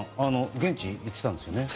現地、行ってたんですよね。